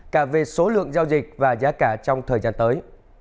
cả về số lượng giao dịch và giá cả trong thời gian tới